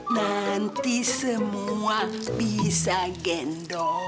nanti semua bisa gendong